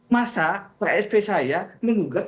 masa ksp saya menggugat